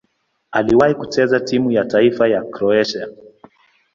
Aliwahi kucheza timu ya taifa ya Kroatia.